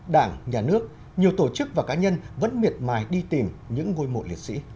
đảng nhà nước nhiều tổ chức và cá nhân vẫn miệt mài đi tìm những ngôi mộ liệt sĩ